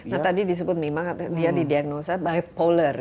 nah tadi disebut memang dia didiagnosa bipolar